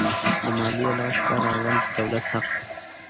د مالیې لاسته راوړل د دولت حق دی.